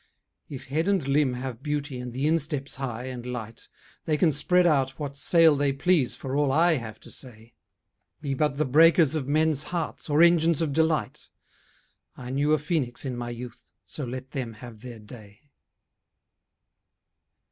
If head and limb have beauty and the instep's high and light, They can spread out what sail they please for all I have to say, Be but the breakers of men's hearts or engines of delight: I knew a phoenix in my youth so let them have their day.